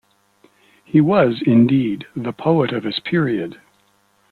He was, indeed, the poet of his period.